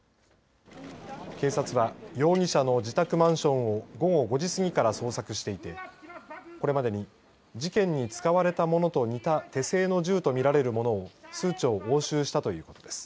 警察は容疑者の自宅マンションを午後５時過ぎから捜索していてこれまでに事件に使われたものと似た手製の銃と見られるものを数丁押収したということです。